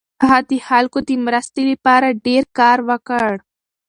هغه د خلکو د مرستې لپاره ډېر کار وکړ.